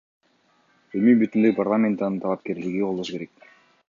Эми бүтүндөй парламент анын талапкерлигин колдошу керек.